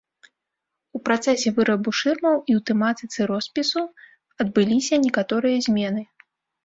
У працэсе вырабу шырмаў і ў тэматыцы роспісу адбыліся некаторыя змены.